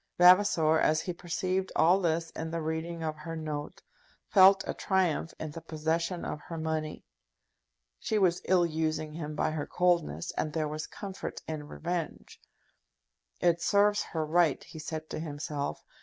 Vavasor, as he perceived all this in the reading of her note, felt a triumph in the possession of her money. She was ill using him by her coldness, and there was comfort in revenge. "It serves her right," he said to himself.